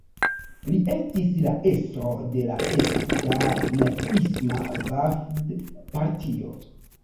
Li estis la estro de la egipta naciisma Vafd-Partio.